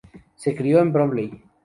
Se crio en Bromley.